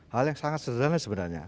hal yang sangat sederhana sebenarnya